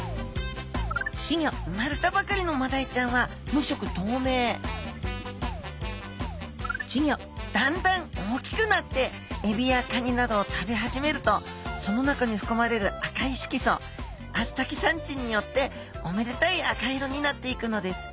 生まれたばかりのマダイちゃんは無色とうめいだんだん大きくなってエビやカニなどを食べ始めるとその中にふくまれる赤い色素アスタキサンチンによっておめでたい赤色になっていくのです。